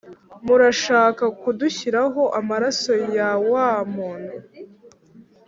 Murashaka kudushyiraho amaraso ya wa muntu